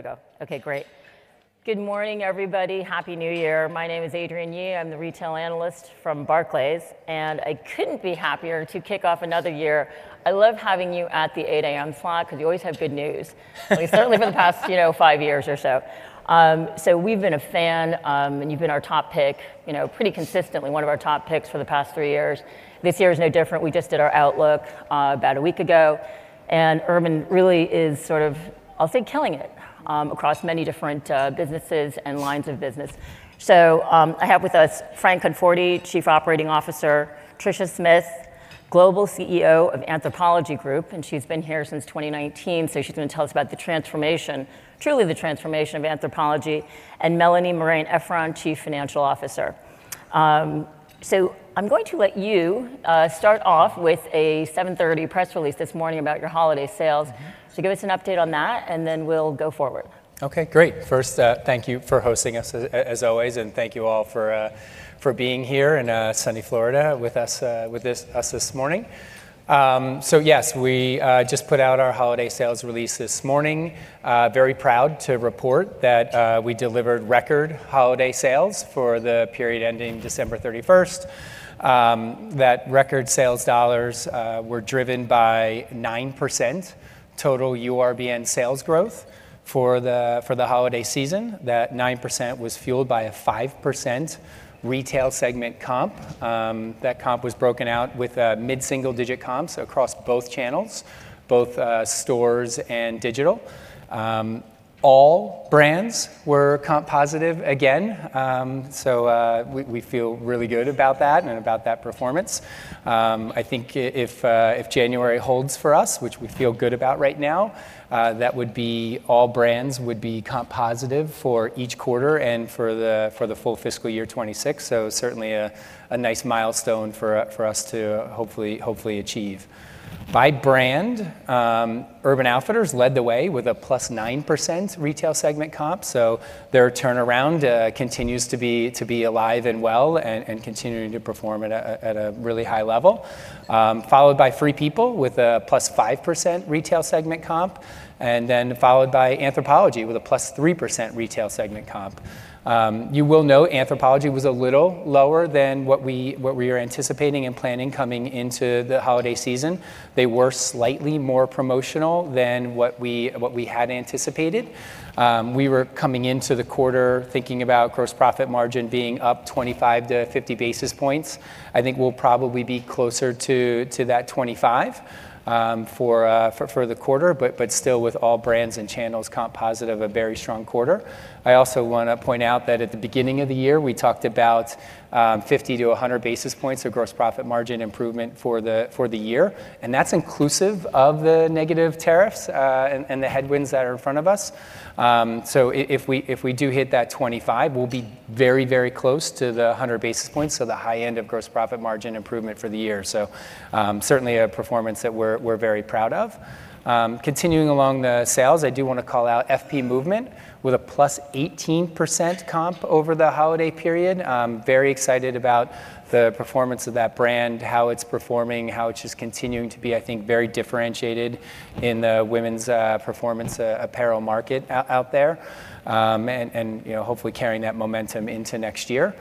There we go. Okay, great. Good morning, everybody. Happy New Year. My name is Adrienne Yih. I'm the retail analyst from Barclays, and I couldn't be happier to kick off another year. I love having you at the 8:00 A.M. slot because you always have good news, certainly for the past, you know, five years or so. So we've been a fan, and you've been our top pick, you know, pretty consistently one of our top picks for the past three years. This year is no different. We just did our outlook about a week ago, and Urban really is sort of, I'll say, killing it across many different businesses and lines of business. I have with us Frank Conforti, Chief Operating Officer, Tricia Smith, Global CEO of Anthropologie Group, and she's been here since 2019, so she's going to tell us about the transformation, truly the transformation of Anthropologie, and Melanie Marein-Efron, Chief Financial Officer. I'm going to let you start off with a 7:30 A.M. press release this morning about your holiday sales. Give us an update on that, and then we'll go forward. Okay, great. First, thank you for hosting us, as always, and thank you all for being here in sunny Florida with us this morning. So yes, we just put out our holiday sales release this morning. Very proud to report that we delivered record holiday sales for the period ending December 31st. That record sales dollars were driven by 9% total URBN sales growth for the holiday season. That 9% was fueled by a 5% retail segment comp. That comp was broken out with mid-single digit comps across both channels, both stores and digital. All brands were comp positive again, so we feel really good about that and about that performance. I think if January holds for us, which we feel good about right now, that would be all brands would be comp positive for each quarter and for the full fiscal year 2026, so certainly a nice milestone for us to hopefully achieve. By brand, Urban Outfitters led the way with a plus 9% retail segment comp, so their turnaround continues to be alive and well and continuing to perform at a really high level, followed by Free People with a plus 5% retail segment comp, and then followed by Anthropologie with a plus 3% retail segment comp. You will note Anthropologie was a little lower than what we were anticipating and planning coming into the holiday season. They were slightly more promotional than what we had anticipated. We were coming into the quarter thinking about gross profit margin being up 25-50 basis points. I think we'll probably be closer to that 25 for the quarter, but still with all brands and channels comp positive, a very strong quarter. I also want to point out that at the beginning of the year, we talked about 50-100 basis points of gross profit margin improvement for the year, and that's inclusive of the negative tariffs and the headwinds that are in front of us. So if we do hit that 25, we'll be very, very close to the 100 basis points, so the high end of gross profit margin improvement for the year. So certainly a performance that we're very proud of. Continuing along the sales, I do want to call out FP Movement with a plus 18% comp over the holiday period. Very excited about the performance of that brand, how it's performing, how it's just continuing to be, I think, very differentiated in the women's performance apparel market out there and hopefully carrying that momentum into next year.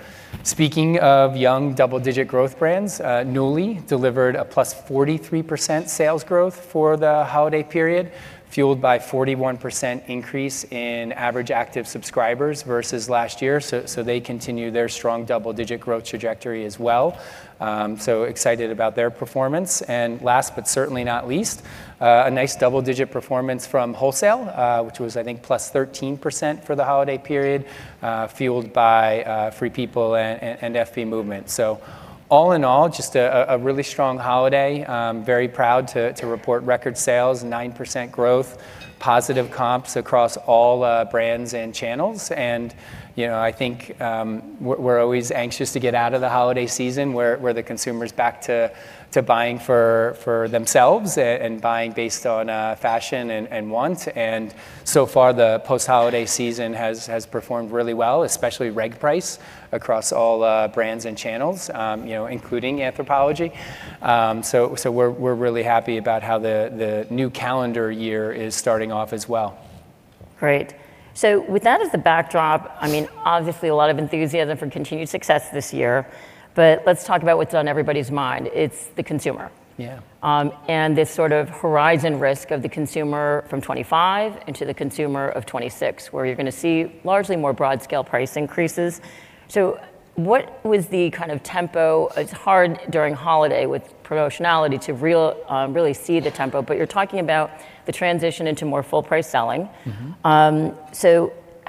Speaking of young double-digit growth brands, Nuuly delivered a plus 43% sales growth for the holiday period, fueled by 41% increase in average active subscribers versus last year, so they continue their strong double-digit growth trajectory as well, so excited about their performance, and last but certainly not least, a nice double-digit performance from Wholesale, which was, I think, plus 13% for the holiday period, fueled by Free People and FP Movement, so all in all, just a really strong holiday. Very proud to report record sales, 9% growth, positive comps across all brands and channels. I think we're always anxious to get out of the holiday season where the consumer's back to buying for themselves and buying based on fashion and want. And so far, the post-holiday season has performed really well, especially reg price across all brands and channels, including Anthropologie. So we're really happy about how the new calendar year is starting off as well. Great. So with that as the backdrop, I mean, obviously a lot of enthusiasm for continued success this year, but let's talk about what's on everybody's mind. It's the consumer. Yeah. This sort of horizon risk of the consumer from 2025 into the consumer of 2026, where you're going to see largely more broad-scale price increases. What was the kind of tempo? It's hard during holiday with promotionality to really see the tempo, but you're talking about the transition into more full-price selling.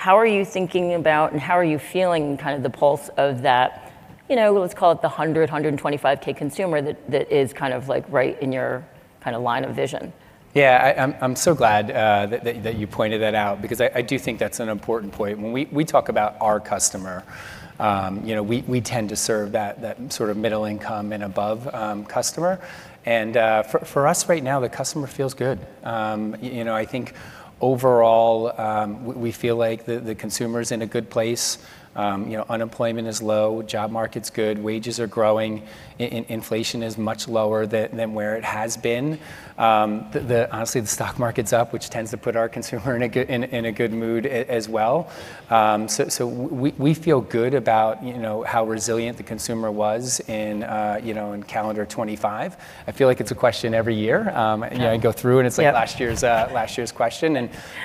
How are you thinking about and how are you feeling kind of the pulse of that, you know, let's call it the $100K-$125K consumer that is kind of like right in your kind of line of vision? Yeah, I'm so glad that you pointed that out because I do think that's an important point. When we talk about our customer, we tend to serve that sort of middle-income and above customer, and for us right now, the customer feels good. You know, I think overall, we feel like the consumer's in a good place. Unemployment is low, job market's good, wages are growing, inflation is much lower than where it has been. Honestly, the stock market's up, which tends to put our consumer in a good mood as well, so we feel good about how resilient the consumer was in calendar 2025. I feel like it's a question every year. I go through and it's like last year's question,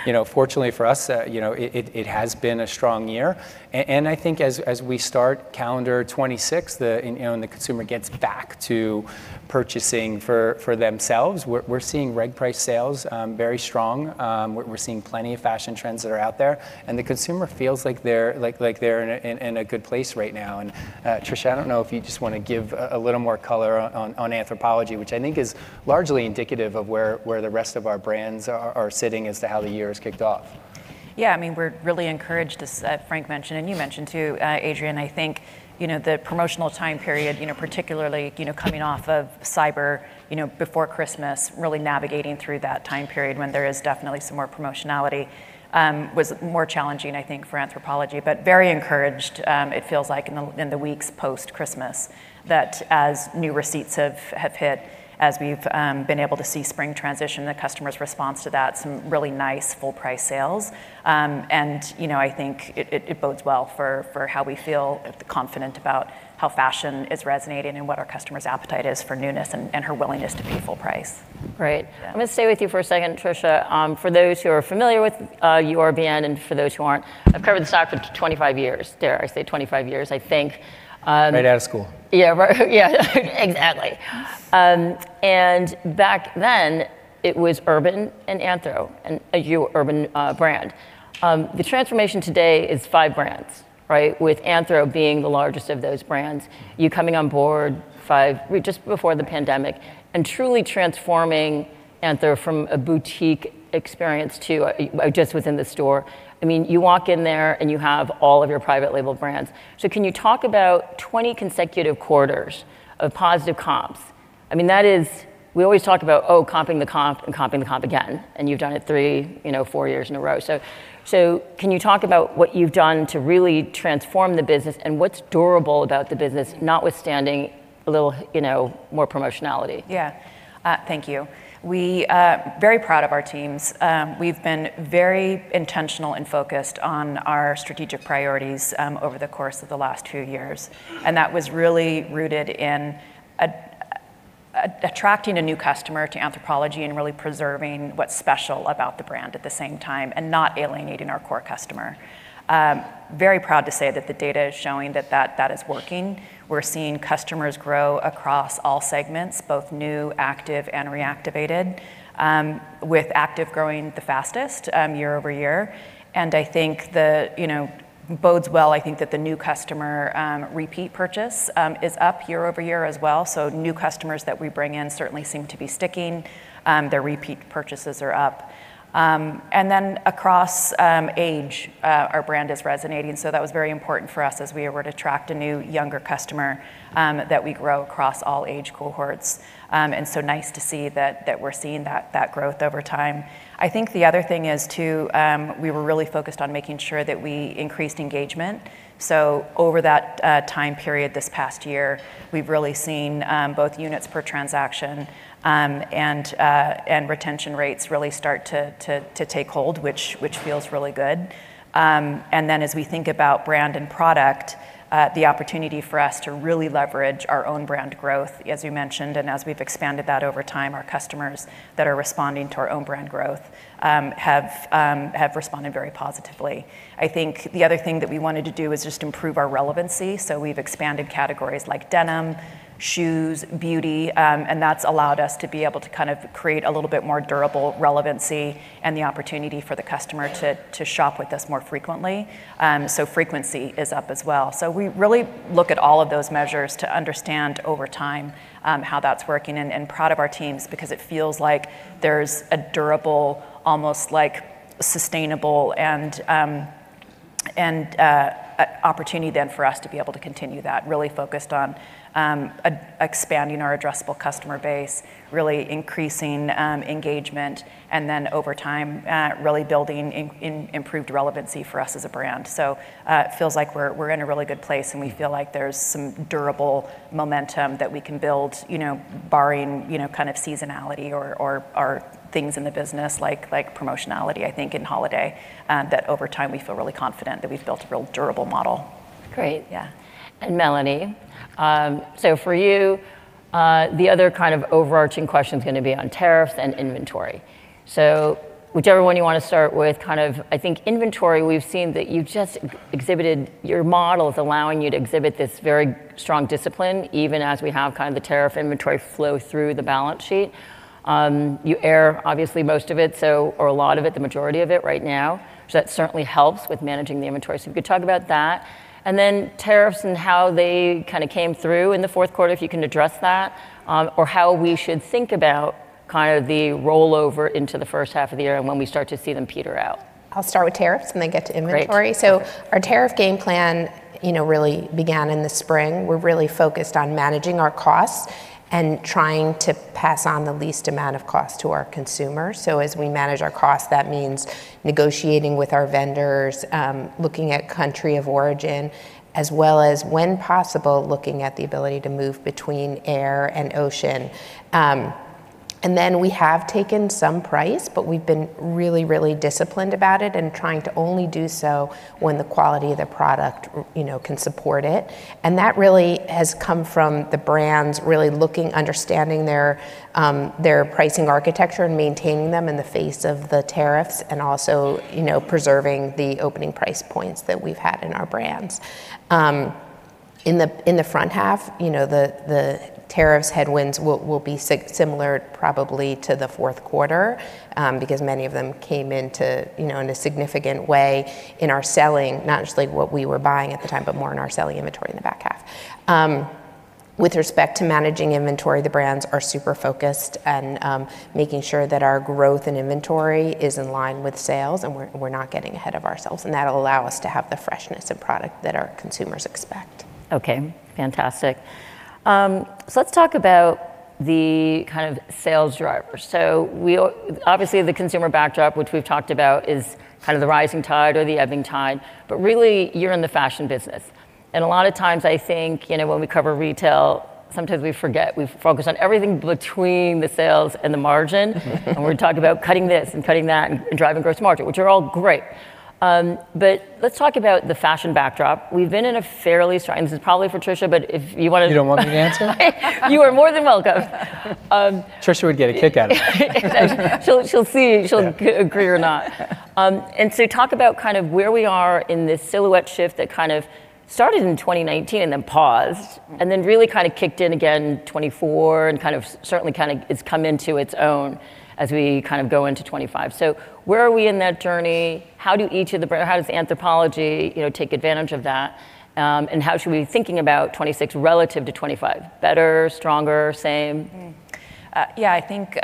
and fortunately for us, it has been a strong year, and I think as we start calendar 2026, the consumer gets back to purchasing for themselves. We're seeing reg price sales very strong. We're seeing plenty of fashion trends that are out there, and the consumer feels like they're in a good place right now, and Tricia, I don't know if you just want to give a little more color on Anthropologie, which I think is largely indicative of where the rest of our brands are sitting as to how the year has kicked off. Yeah, I mean, we're really encouraged, too, as Frank mentioned, and you mentioned too, Adrienne. I think the promotional time period, particularly coming off of Cyber before Christmas, really navigating through that time period when there is definitely some more promotionality, was more challenging, I think, for Anthropologie. But very encouraged, it feels like, in the weeks post-Christmas that as new receipts have hit, as we've been able to see spring transition, the customer's response to that, some really nice full-price sales, and I think it bodes well for how we feel confident about how fashion is resonating and what our customer's appetite is for newness and her willingness to pay full price. Right. I'm going to stay with you for a second, Tricia. For those who are familiar with URBN and for those who aren't, I've covered the stock for 25 years. Dare I say 25 years, I think. Right out of school. Yeah, yeah, exactly. And back then, it was Urban and Anthro, a URBN brand. The transformation today is five brands, right, with Anthro being the largest of those brands, you coming on board just before the pandemic and truly transforming Anthro from a boutique experience to just within the store. I mean, you walk in there and you have all of your private label brands. So can you talk about 20 consecutive quarters of positive comps? I mean, that is, we always talk about, oh, comping the comp and comping the comp again, and you've done it three, four years in a row. So can you talk about what you've done to really transform the business and what's durable about the business, notwithstanding a little more promotionality? Yeah, thank you. We are very proud of our teams. We've been very intentional and focused on our strategic priorities over the course of the last few years, and that was really rooted in attracting a new customer to Anthropologie and really preserving what's special about the brand at the same time and not alienating our core customer. Very proud to say that the data is showing that that is working. We're seeing customers grow across all segments, both new, active, and reactivated, with active growing the fastest year-over-year, and I think that bodes well. I think that the new customer repeat purchase is up year-over-year as well, so new customers that we bring in certainly seem to be sticking. Their repeat purchases are up, and then across age, our brand is resonating. So that was very important for us as we were to attract a new younger customer that we grow across all age cohorts. And so nice to see that we're seeing that growth over time. I think the other thing is, too, we were really focused on making sure that we increased engagement. So over that time period this past year, we've really seen both units per transaction and retention rates really start to take hold, which feels really good. And then as we think about brand and product, the opportunity for us to really leverage our own brand growth, as you mentioned, and as we've expanded that over time, our customers that are responding to our own brand growth have responded very positively. I think the other thing that we wanted to do is just improve our relevancy. So we've expanded categories like denim, shoes, beauty, and that's allowed us to be able to kind of create a little bit more durable relevancy and the opportunity for the customer to shop with us more frequently. So frequency is up as well. So we really look at all of those measures to understand over time how that's working and proud of our teams because it feels like there's a durable, almost like sustainable opportunity then for us to be able to continue that, really focused on expanding our addressable customer base, really increasing engagement, and then over time really building improved relevancy for us as a brand. So, it feels like we're in a really good place, and we feel like there's some durable momentum that we can build, barring kind of seasonality or things in the business like promotionality, I think, in holiday, that over time we feel really confident that we've built a real durable model. Great. Yeah. And Melanie, so for you, the other kind of overarching question is going to be on tariffs and inventory, so whichever one you want to start with, kind of I think inventory, we've seen that you just exhibited your model is allowing you to exhibit this very strong discipline, even as we have kind of the tariff inventory flow through the balance sheet. You are obviously most of it, or a lot of it, the majority of it right now, which certainly helps with managing the inventory, so if you could talk about that, and then tariffs and how they kind of came through in the fourth quarter, if you can address that, or how we should think about kind of the rollover into the first half of the year and when we start to see them peter out. I'll start with tariffs and then get to inventory, so our tariff game plan really began in the spring. We're really focused on managing our costs and trying to pass on the least amount of cost to our consumers, so as we manage our costs, that means negotiating with our vendors, looking at country of origin, as well as when possible, looking at the ability to move between air and ocean, and then we have taken some price, but we've been really, really disciplined about it and trying to only do so when the quality of the product can support it, and that really has come from the brands really looking, understanding their pricing architecture and maintaining them in the face of the tariffs and also preserving the opening price points that we've had in our brands. In the front half, the tariff headwinds will be similar probably to the fourth quarter because many of them came into play in a significant way in our selling, not necessarily what we were buying at the time, but more in our selling inventory in the back half. With respect to managing inventory, the brands are super focused on making sure that our growth in inventory is in line with sales and we're not getting ahead of ourselves. That'll allow us to have the freshness of product that our consumers expect. Okay, fantastic. So let's talk about the kind of sales drivers. So obviously the consumer backdrop, which we've talked about, is kind of the rising tide or the ebbing tide, but really you're in the fashion business, and a lot of times I think when we cover retail, sometimes we forget we focus on everything between the sales and the margin, and we talk about cutting this and cutting that and driving gross margin, which are all great, but let's talk about the fashion backdrop. We've been in a fairly strong, and this is probably for Tricia, but if you want to. You don't want me to answer? You are more than welcome. Tricia would get a kick out of it. She'll see if she'll agree or not. And so talk about kind of where we are in this silhouette shift that kind of started in 2019 and then paused and then really kind of kicked in again 2024 and kind of certainly kind of has come into its own as we kind of go into 2025. So where are we in that journey? How does Anthropologie take advantage of that? And how should we be thinking about 2026 relative to 2025? Better, stronger, same? Yeah, I think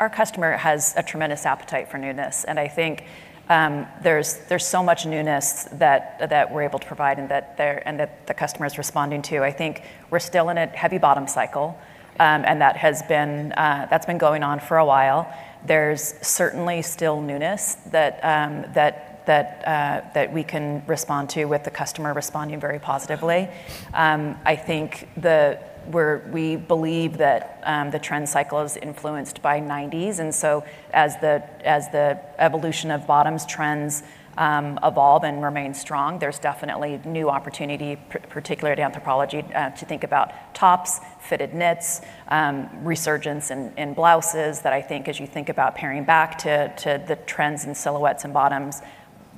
our customer has a tremendous appetite for newness, and I think there's so much newness that we're able to provide and that the customer is responding to. I think we're still in a heavy bottom cycle and that's been going on for a while. There's certainly still newness that we can respond to with the customer responding very positively. I think we believe that the trend cycle is influenced by '90s, and so as the evolution of bottoms trends evolve and remain strong, there's definitely new opportunity, particularly to Anthropologie, to think about tops, fitted knits, resurgence in blouses that I think as you think about pairing back to the trends and silhouettes and bottoms,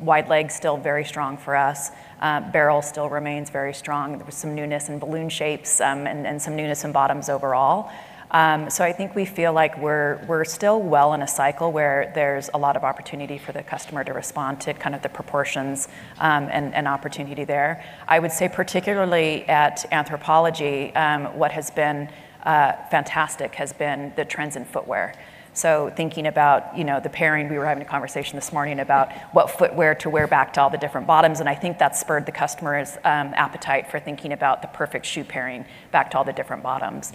wide legs still very strong for us. Barrel still remains very strong. There was some newness in balloon shapes and some newness in bottoms overall. So I think we feel like we're still well in a cycle where there's a lot of opportunity for the customer to respond to kind of the proportions and opportunity there. I would say particularly at Anthropologie, what has been fantastic has been the trends in footwear. So thinking about the pairing, we were having a conversation this morning about what footwear to wear back to all the different bottoms. And I think that spurred the customer's appetite for thinking about the perfect shoe pairing back to all the different bottoms.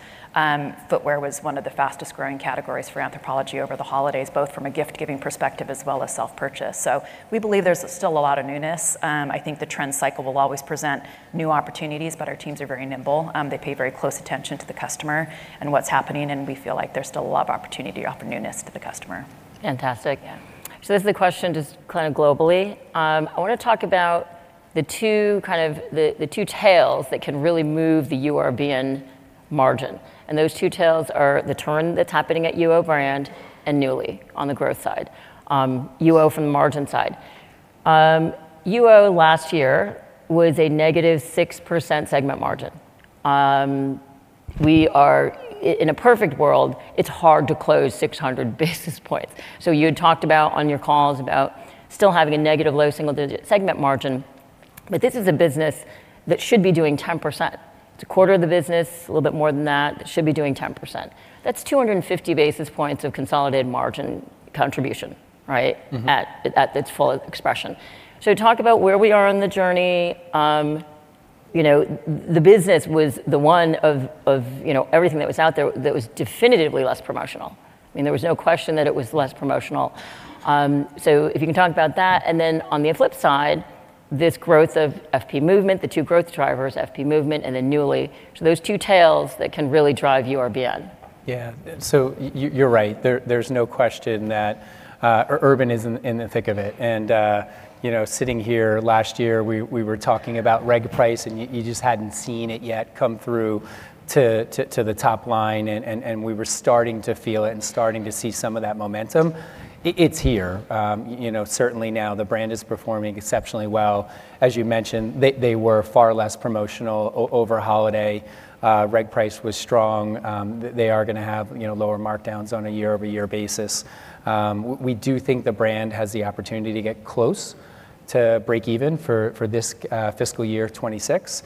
Footwear was one of the fastest growing categories for Anthropologie over the holidays, both from a gift-giving perspective as well as self-purchase. So we believe there's still a lot of newness. I think the trend cycle will always present new opportunities, but our teams are very nimble. They pay very close attention to the customer and what's happening. We feel like there's still a lot of opportunity to offer newness to the customer. Fantastic. So this is a question just kind of globally. I want to talk about the two kind of the two tails that can really move the URBN margin. And those two tails are the turn that's happening at UO Brand and Nuuly on the growth side. UO from the margin side. UO last year was a negative 6% segment margin. We are, in a perfect world, it's hard to close 600 basis points. So you had talked about on your calls about still having a negative low single digit segment margin, but this is a business that should be doing 10%. It's a quarter of the business, a little bit more than that, that should be doing 10%. That's 250 basis points of consolidated margin contribution, right, at its full expression. So talk about where we are on the journey. The business was the one of everything that was out there that was definitively less promotional. I mean, there was no question that it was less promotional. So if you can talk about that, and then on the flip side, this growth of FP Movement, the two growth drivers, FP Movement and then Nuuly, so those two tails that can really drive URBN. Yeah, so you're right. There's no question that Urban is in the thick of it. And sitting here last year, we were talking about reg price and you just hadn't seen it yet come through to the top line. And we were starting to feel it and starting to see some of that momentum. It's here. Certainly now the brand is performing exceptionally well. As you mentioned, they were far less promotional over holiday. Reg price was strong. They are going to have lower markdowns on a year-over-year basis. We do think the brand has the opportunity to get close to break even for this fiscal year 2026.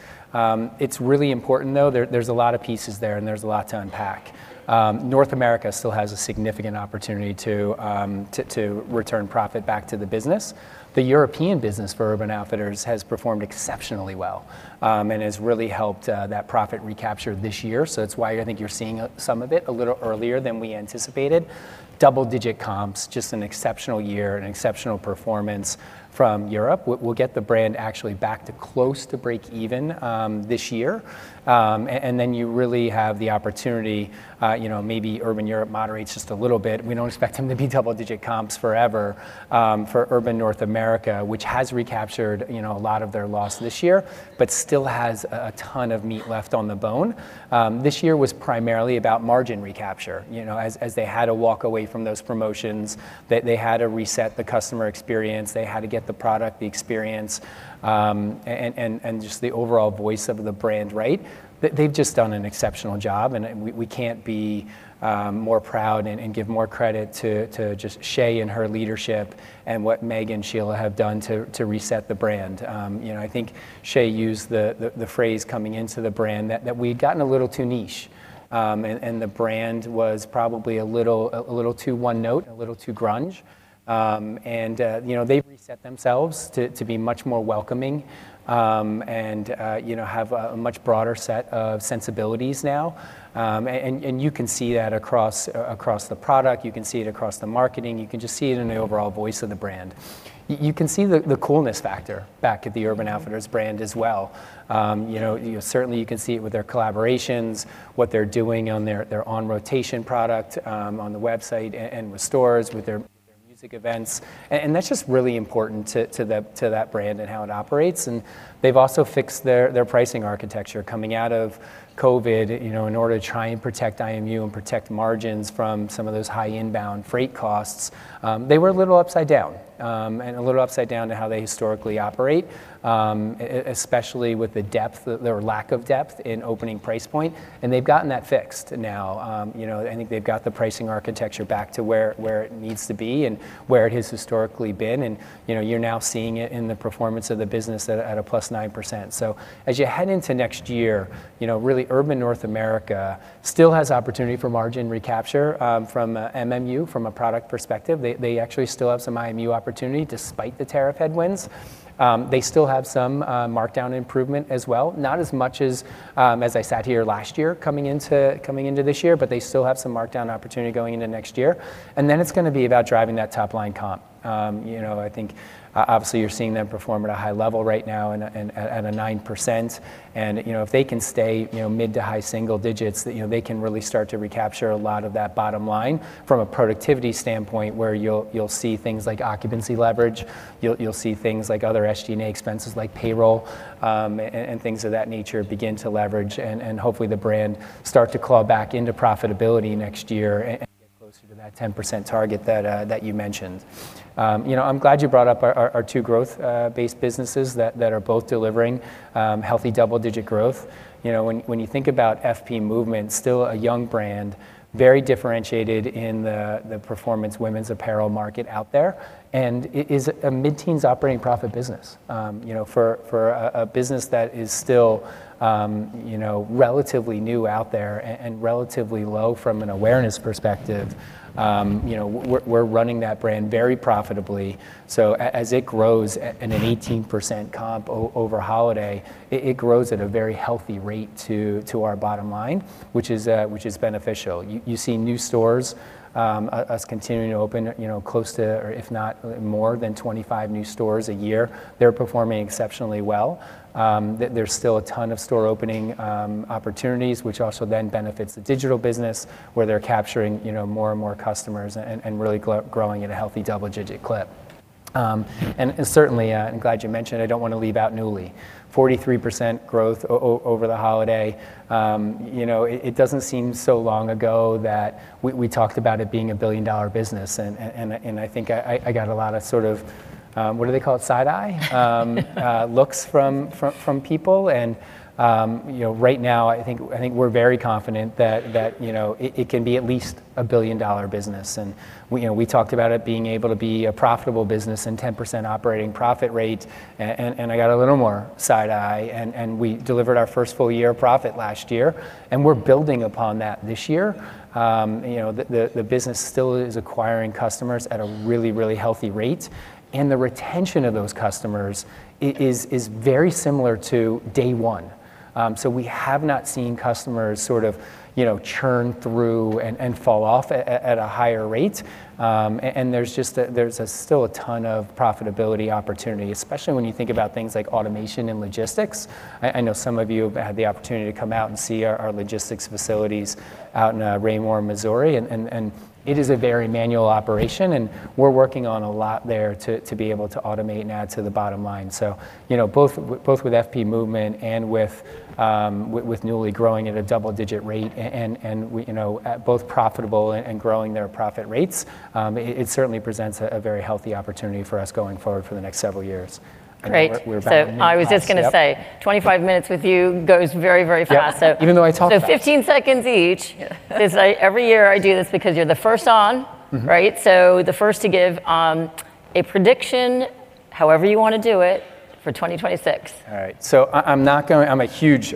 It's really important though. There's a lot of pieces there and there's a lot to unpack. North America still has a significant opportunity to return profit back to the business. The European business for Urban Outfitters has performed exceptionally well and has really helped that profit recapture this year. It's why I think you're seeing some of it a little earlier than we anticipated. Double-digit comps, just an exceptional year, an exceptional performance from Europe. We'll get the brand actually back to close to break even this year. Then you really have the opportunity, maybe Urban Europe moderates just a little bit. We don't expect them to be double-digit comps forever for Urban North America, which has recaptured a lot of their loss this year, but still has a ton of meat left on the bone. This year was primarily about margin recapture. As they had to walk away from those promotions, they had to reset the customer experience. They had to get the product, the experience, and just the overall voice of the brand, right? They've just done an exceptional job. And we can't be more proud and give more credit to just Shea and her leadership and what Meg and Sheila have done to reset the brand. I think Shea used the phrase coming into the brand that we'd gotten a little too niche. And the brand was probably a little too one-note, a little too grunge. And they've reset themselves to be much more welcoming and have a much broader set of sensibilities now. And you can see that across the product. You can see it across the marketing. You can just see it in the overall voice of the brand. You can see the coolness factor back at the Urban Outfitters brand as well. Certainly you can see it with their collaborations, what they're doing on their on-rotation product on the website and with stores with their music events. And that's just really important to that brand and how it operates. And they've also fixed their pricing architecture coming out of COVID in order to try and protect IMU and protect margins from some of those high inbound freight costs. They were a little upside down to how they historically operate, especially with the depth, their lack of depth in opening price point. And they've gotten that fixed now. I think they've got the pricing architecture back to where it needs to be and where it has historically been. And you're now seeing it in the performance of the business at a +9%. So as you head into next year, really Urban North America still has opportunity for margin recapture from MMU from a product perspective. They actually still have some IMU opportunity despite the tariff headwinds. They still have some markdown improvement as well. Not as much as I sat here last year coming into this year, but they still have some markdown opportunity going into next year, and then it's going to be about driving that top line comp. I think obviously you're seeing them perform at a high level right now and at a 9%, and if they can stay mid to high single digits, they can really start to recapture a lot of that bottom line from a productivity standpoint where you'll see things like occupancy leverage. You'll see things like other SG&A expenses like payroll and things of that nature begin to leverage, and hopefully the brand starts to claw back into profitability next year and get closer to that 10% target that you mentioned. I'm glad you brought up our two growth-based businesses that are both delivering healthy double-digit growth. When you think about FP Movement, still a young brand, very differentiated in the performance women's apparel market out there, and it is a mid-teens operating profit business. For a business that is still relatively new out there and relatively low from an awareness perspective, we're running that brand very profitably. So as it grows in an 18% comp over holiday, it grows at a very healthy rate to our bottom line, which is beneficial. You see new stores, us continuing to open close to, or if not more than 25 new stores a year. They're performing exceptionally well. There's still a ton of store opening opportunities, which also then benefits the digital business where they're capturing more and more customers and really growing at a healthy double-digit clip. And certainly, I'm glad you mentioned it. I don't want to leave out Nuuly. 43% growth over the holiday. It doesn't seem so long ago that we talked about it being a billion-dollar business, and I think I got a lot of sort of, what do they call it, side-eye looks from people, and right now, I think we're very confident that it can be at least a billion-dollar business, and we talked about it being able to be a profitable business and 10% operating profit rate, and I got a little more side-eye, and we delivered our first full year of profit last year, and we're building upon that this year. The business still is acquiring customers at a really, really healthy rate, and the retention of those customers is very similar to day one, so we have not seen customers sort of churn through and fall off at a higher rate. And there's still a ton of profitability opportunity, especially when you think about things like automation and logistics. I know some of you have had the opportunity to come out and see our logistics facilities out in Raymore, Missouri. And it is a very manual operation. And we're working on a lot there to be able to automate and add to the bottom line. So both with FP Movement and with Nuuly growing at a double-digit rate and both profitable and growing their profit rates, it certainly presents a very healthy opportunity for us going forward for the next several years. Great. So I was just going to say 25 minutes with you goes very, very fast. Yeah, even though I talked. 15 seconds each. Every year I do this because you're the first on, right? The first to give a prediction, however you want to do it for 2026. All right, so I'm not going to, I'm a huge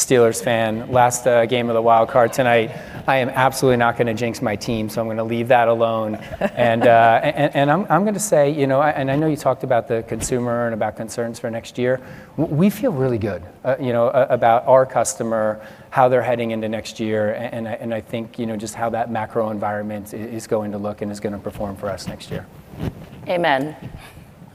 Steelers fan. Last game of the wild card tonight. I am absolutely not going to jinx my team. So I'm going to leave that alone, and I'm going to say, and I know you talked about the consumer and about concerns for next year. We feel really good about our customer, how they're heading into next year, and I think just how that macro environment is going to look and is going to perform for us next year. Amen.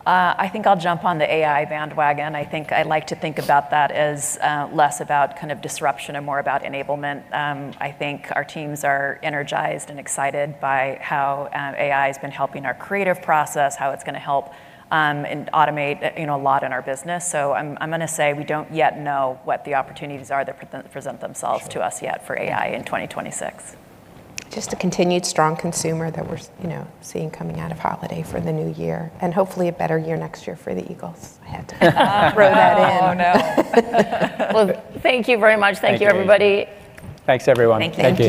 I think I'll jump on the AI bandwagon. I think I'd like to think about that as less about kind of disruption and more about enablement. I think our teams are energized and excited by how AI has been helping our creative process, how it's going to help and automate a lot in our business. So I'm going to say we don't yet know what the opportunities are that present themselves to us yet for AI in 2026. Just a continued strong consumer that we're seeing coming out of holiday for the new year, and hopefully a better year next year for the Eagles. I had to throw that in. Oh, no. Thank you very much. Thank you, everybody. Thanks, everyone. Thank you.